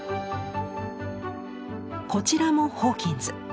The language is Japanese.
こちらもホーキンズ。